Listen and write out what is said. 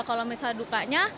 kalau misalnya dukanya